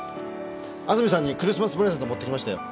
安住さんにクリスマスプレゼント持ってきましたよ。